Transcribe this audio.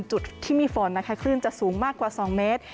จุดที่มีฝนนะคะคลื่นจะสูงมากกว่า๒เมตร